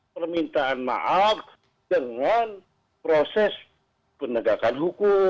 permintaan maaf dengan proses penegakan hukum